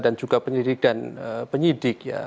dan juga penyelidikan dan penyidik ya